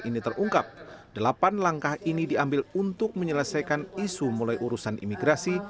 ini terungkap delapan langkah ini diambil untuk menyelesaikan isu mulai urusan imigrasi